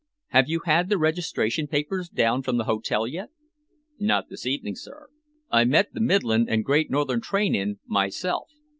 "Have you had the registration papers down from the hotel yet?" "Not this evening, sir. I met the Midland and Great Northern train in myself.